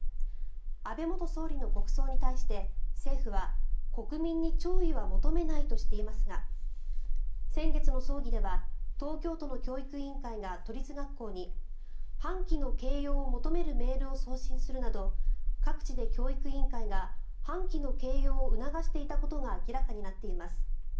安倍元総理の国葬に対して政府は国民に弔意は求めないとしていますが先月の葬儀では東京都の教育委員会が都立学校に半旗の掲揚を求めるメールを送信するなど各地で教育委員会が半旗の掲揚を促していたことが明らかになっています。